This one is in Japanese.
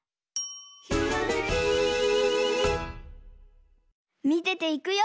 「ひらめき」みてていくよ。